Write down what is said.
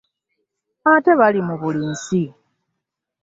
Ate bali mu buli nsi.